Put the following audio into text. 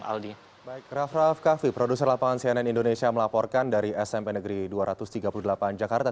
aldi baik raff raff kaffi produser lapangan cnn indonesia melaporkan dari smp negeri dua ratus tiga puluh delapan jakarta